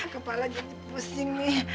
kepala jadi pusing nih